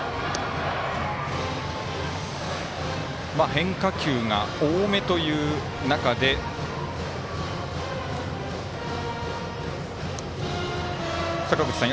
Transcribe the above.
変化球が多めという中で坂口さん